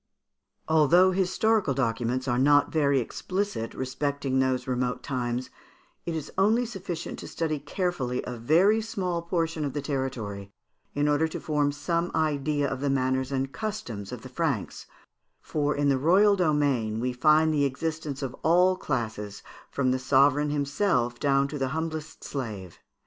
] Although historical documents are not very explicit respecting those remote times, it is only sufficient to study carefully a very small portion of the territory in order to form some idea of the manners and customs of the Franks; for in the royal domain we find the existence of all classes, from the sovereign himself down to the humblest slave.